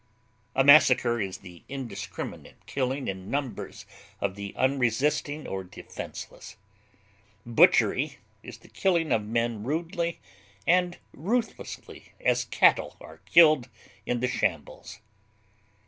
A massacre is the indiscriminate killing in numbers of the unresisting or defenseless; butchery is the killing of men rudely and ruthlessly as cattle are killed in the shambles.